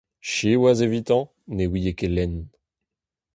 Siwazh evitañ, ne ouie ket lenn.